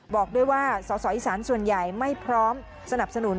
บอกด้วยว่าสอสออีสานส่วนใหญ่ไม่พร้อมสนับสนุน